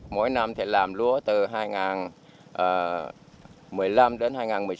mỗi năm thì làm lúa từ hai nghìn một mươi năm đến hai nghìn một mươi chín